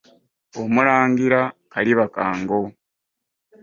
Omulangira kaliba ka ngo .